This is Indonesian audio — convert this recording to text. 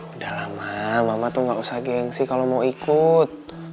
udah lama mama tuh gak usah gengsi kalau mau ikut